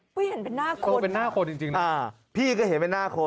ปุ๊ยเห็นเป็นหน้าคนครับอ่าพี่ก็เห็นเป็นหน้าคน